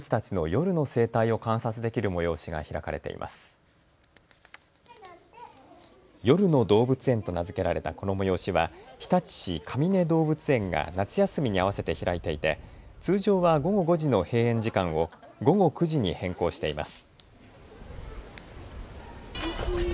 夜の動物園と名付けられたこの催しは日立市かみね動物園が夏休みに合わせて開いていて通常は午後５時の閉園時間を午後９時に変更しています。